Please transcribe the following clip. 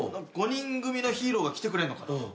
５人組のヒーローが来てくれるのかな？